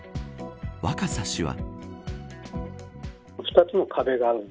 若狭氏は。